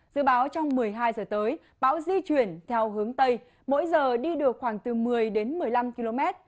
dự báo trong một mươi hai giờ tới bão di chuyển theo hướng tây mỗi giờ đi được khoảng từ một mươi đến một mươi năm km